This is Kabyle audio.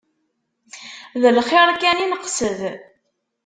D lxir kan i neqsed.